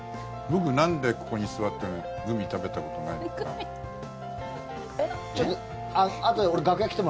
僕、なんでここに座ってるのにグミ食べたことないのかなって。